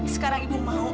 sekarang ibu mau